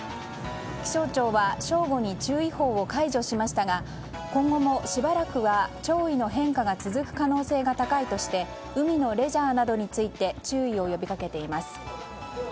気象庁は正午に注意報を解除しましたが今後もしばらくは潮位の変化が続く可能性が高いとして海のレジャーなどについて注意を呼び掛けています。